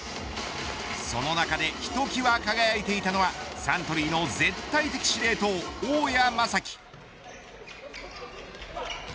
その中でひときわ輝いていたのはサントリーの絶対司令塔大宅真樹。